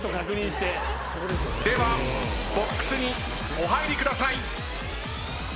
ではボックスにお入りください。